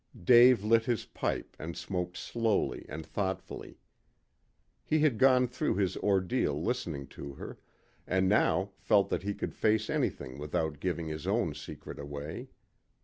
Dave lit his pipe and smoked slowly and thoughtfully. He had gone through his ordeal listening to her, and now felt that he could face anything without giving his own secret away.